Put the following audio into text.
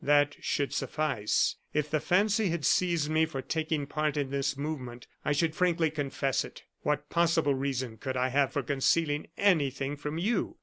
That should suffice. If the fancy had seized me for taking part in this movement, I should frankly confess it. What possible reason could I have for concealing anything from you?"